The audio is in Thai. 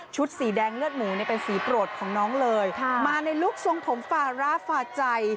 สีแดงเลือดหมูเนี่ยเป็นสีโปรดของน้องเลยมาในลุคทรงผมฟาร่าฟาใจ